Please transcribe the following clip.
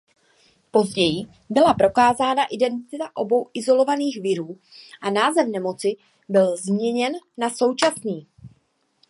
Později byla prokázána identita obou izolovaných virů a název nemoci byl změněn na současný.